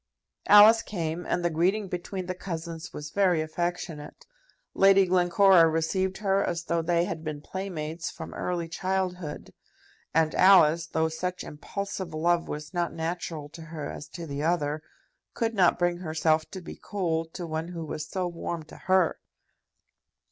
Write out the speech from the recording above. Alice came, and the greeting between the cousins was very affectionate. Lady Glencora received her as though they had been playmates from early childhood; and Alice, though such impulsive love was not natural to her as to the other, could not bring herself to be cold to one who was so warm to her.